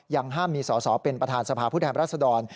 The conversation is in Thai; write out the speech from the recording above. ยังห้ามมีสาวเป็นประธานสภาพฤทธรรมรัษฎร